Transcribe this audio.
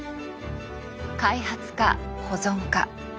開発か保存か。